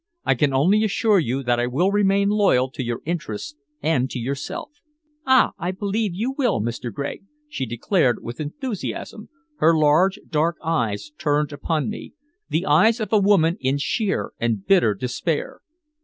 "I can only assure you that I will remain loyal to your interests and to yourself." "Ah! I believe you will, Mr. Gregg!" she declared with enthusiasm, her large, dark eyes turned upon me the eyes of a woman in sheer and bitter despair.